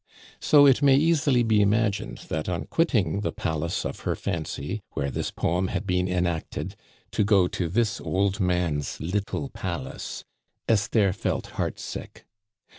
So it may easily be imagined that on quitting the palace of her fancy, where this poem had been enacted, to go to this old man's "little palace," Esther felt heartsick.